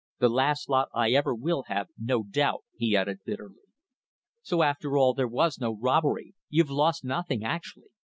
The last lot I ever will have, no doubt," he added, bitterly. "So, after all, there was no robbery. You've lost nothing actually.